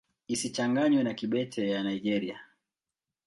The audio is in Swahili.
Isichanganywe na Kibete ya Nigeria.